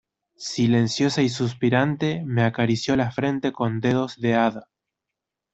silenciosa y suspirante me acarició la frente con dedos de hada: